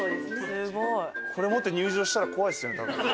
すごい！これ持って入場したら怖いですよね多分。